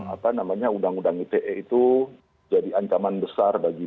apa namanya undang undang ite itu jadi ancaman besar bagi